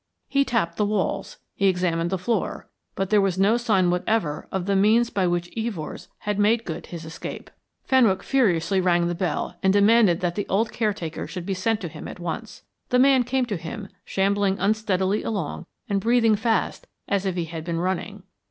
He tapped the walls, he examined the floor, but there was no sign whatever of the means by which Evors had made good his escape. Fenwick furiously rang the bell and demanded that the old caretaker should be sent to him at once. The man came to him, shambling unsteadily along and breathing fast as if he had been running.